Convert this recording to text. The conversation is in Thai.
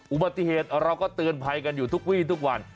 อุบัติเหตุเราก็เตือนภัยกันอยู่ทุกวีทุกวัน